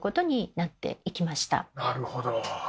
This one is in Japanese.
なるほど。